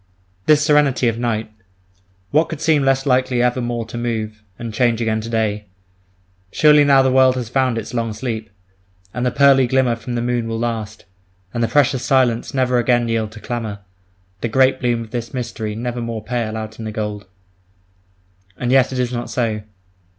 ... This serenity of night! What could seem less likely ever more to move, and change again to day? Surely now the world has found its long sleep; and the pearly glimmer from the moon will last, and the precious silence never again yield to clamour; the grape bloom of this mystery never more pale out into gold .... And yet it is not so.